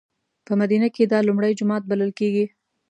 په مدینه کې دا لومړی جومات بللی کېږي.